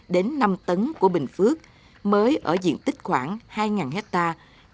đến năm tấn của bình phước mới ở diện tích khoảng ba mươi hectare